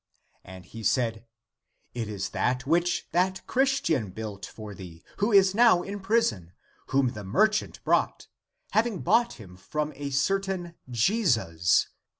" And he said, " (it is) that which that Chris tian built for thee, who is now in prison, whom the merchant brought, having bought him from a cer tain Jesus.